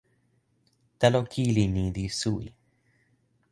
telo kili ni li suwi.